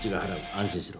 安心しろ。